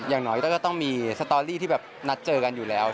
อย่างน้อยก็ต้องมีสตอรี่ที่แบบนัดเจอกันอยู่แล้ว